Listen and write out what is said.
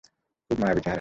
খুব মায়াবী চেহারা।